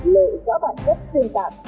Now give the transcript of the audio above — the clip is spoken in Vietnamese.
lựu sở bản chất xuyên tạp